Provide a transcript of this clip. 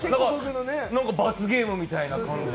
罰ゲームみたいな感じで。